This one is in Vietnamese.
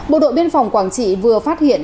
bộ đội biên phòng quảng trị vừa phát hiện